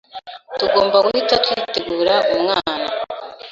tugomba guhita twitegura umwana